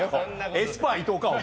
エスパー伊東か。